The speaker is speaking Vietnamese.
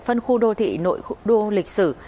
phân khu đô thị nội đô lịch sử